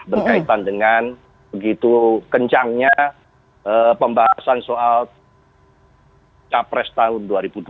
berkaitan dengan begitu kencangnya pembahasan soal capres tahun dua ribu dua puluh